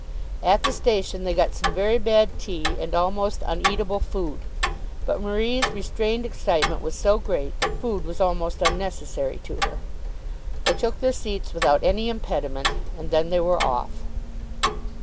At the station they got some very bad tea and almost uneatable food, but Marie's restrained excitement was so great that food was almost unnecessary to her. They took their seats without any impediment, and then they were off.